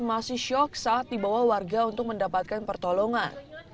masih syok saat dibawa warga untuk mendapatkan pertolongan